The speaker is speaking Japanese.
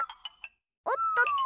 おっとっと。